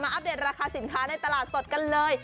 อัปเดตราคาสินค้าในตลาดสดกันเลย